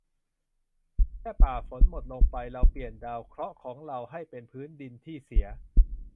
ป่าฝนหมดลงไป เราเปลี่ยนดาวเคราะห์ของเราให้เป็นพื้นดินที่เสีย